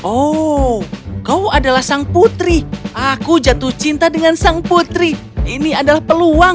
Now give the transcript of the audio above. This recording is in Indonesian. oh kau adalah sang putri aku jatuh cinta dengan sang putri ini adalah peluang